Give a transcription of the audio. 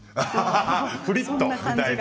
フリットみたいな。